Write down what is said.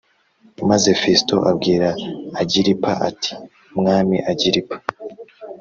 Maze Fesito abwira Agiripa ati Mwami Agiripa